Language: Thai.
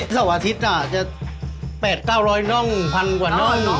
เสาร์อาทิตย์จะ๘๙๐๐น่องพันกว่าน่อง